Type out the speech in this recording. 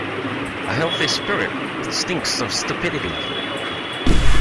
A healthy spirit stinks of stupidity!